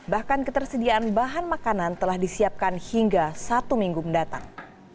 bahkan ketersediaan bahan makanan telah disiapkan hingga satu minggu mendatang